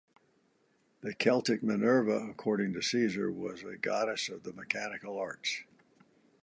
The Celtic Minerva, according to Caesar, was a goddess of the mechanical arts.